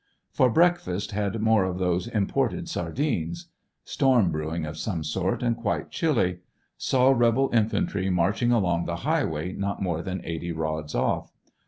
For breakfast had more of those imported sardines. Storm brewing of some sort and quite chilly. Saw rebel infantry marching along the highway not more than eighty rods off.